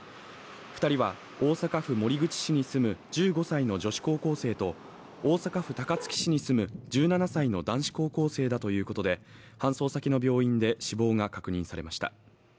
２人は大阪府守口市に住む１５歳の女子高校生と、大阪府高槻市に住む１７歳の男子高校生だということで、搬送先の病院で死亡が確認されました。